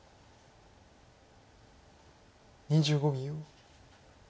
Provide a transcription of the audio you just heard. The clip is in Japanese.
２５秒。